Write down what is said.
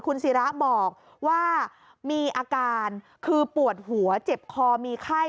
คุณศิระบอกว่ามีอาการคือปวดหัวเจ็บคอมีไข้